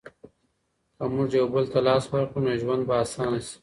که موږ یو بل ته لاس ورکړو نو ژوند به اسانه شي.